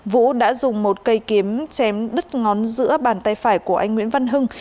vũ đã dùng một cây kiếm chém đứt ngón giữa bàn tay phải của anh nguyễn văn hưng